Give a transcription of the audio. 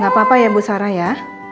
gak apa apa ya bu sarah ya